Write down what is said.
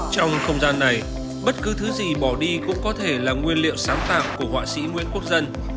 trong không gian này bất cứ thứ gì bỏ đi cũng có thể là nguyên liệu sáng tạo của họa sĩ nguyễn quốc dân